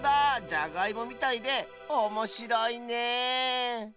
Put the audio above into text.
じゃがいもみたいでおもしろいね